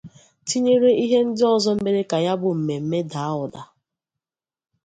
tinyere ihe ndị ọzọ mere ka ya bụ mmeme dàá ụdà.